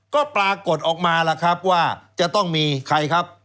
ก็ปรากฏออกมาล่ะครับว่าจะต้องมีใครครับ